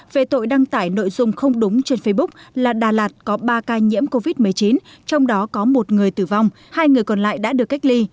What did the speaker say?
về tội đăng tải nội dung không đúng trên facebook là đà lạt có ba ca nhiễm covid một mươi chín trong đó có một người tử vong hai người còn lại đã được cách ly